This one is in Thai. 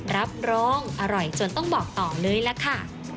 รับรองอร่อยจนต้องบอกต่อเลยล่ะค่ะ